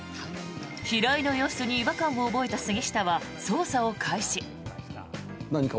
平井の様子に違和感を覚えた杉下は捜査を開始。